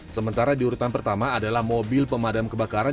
sementara di urutan pertama adalah mobil pemadam kebakaran